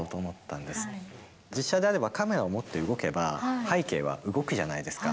実写であればカメラを持って動けば、背景は動くじゃないですか。